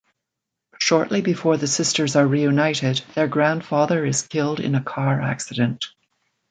Shortly before the sisters are reunited, their grandfather is killed in a car accident.